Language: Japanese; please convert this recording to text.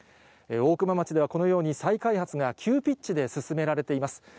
大熊町ではこのように、再開発が急ピッチで進められています。